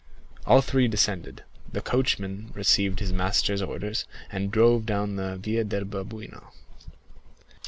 All three descended; the coachman received his master's orders, and drove down the Via del Babuino.